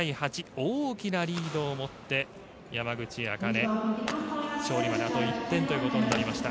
大きなリードを持って山口茜、勝利まであと１点となりました。